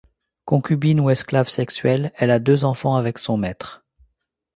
Concubine ou esclave sexuelle, elle a deux enfants avec son maître.